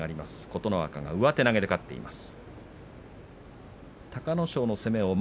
琴ノ若が上手投げで勝っています。